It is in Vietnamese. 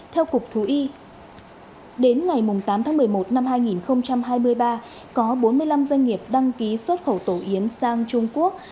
theo cục thú y đến ngày tám tháng một mươi một năm hai nghìn hai mươi ba có bốn mươi năm doanh nghiệp đăng ký xuất khẩu tổ yến sang trung quốc